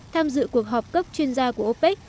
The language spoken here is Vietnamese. tham dự cuộc họp cấp chuyên gia của opec